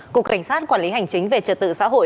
cục cảnh sát quản lý hành chính về trật tự xã hội